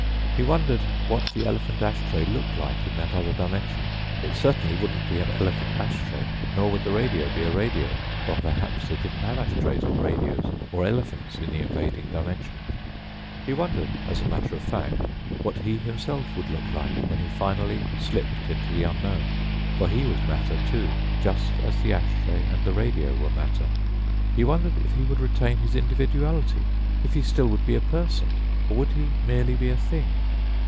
He wondered what the elephant ash tray looked like in that other dimension. It certainly wouldn't be an elephant ash tray nor would the radio be a radio, for perhaps they didn't have ash trays or radios or elephants in the invading dimension. He wondered, as a matter of fact, what he himself would look like when he finally slipped into the unknown. For he was matter, too, just as the ash tray and radio were matter. He wondered if he would retain his individuality ... if he still would be a person. Or would he merely be a thing?